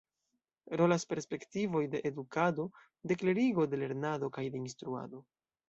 Rolas perspektivoj de edukado, de klerigo, de lernado kaj de instruado.